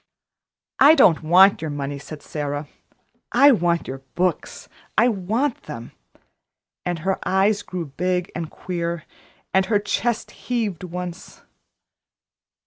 "I don't want your money," said Sara. "I want your books I want them." And her eyes grew big and queer, and her chest heaved once.